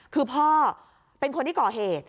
คือพ่อเป็นคนที่ก่อเหตุ